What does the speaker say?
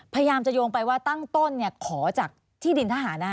พยายามจะโยงไปว่าตั้งต้นขอจากที่ดินทหารนะ